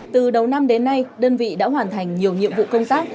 từ đầu năm đến nay đơn vị đã hoàn thành nhiều nhiệm vụ công tác